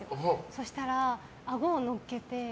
そしたら、あごを乗っけて。